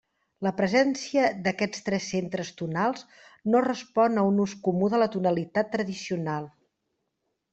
La presència d'aquests tres centres tonals no respon a un ús comú de la tonalitat tradicional.